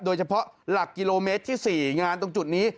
โดยเฉพาะหลักกิโลเมตรที่๔งานตรงจุดนี้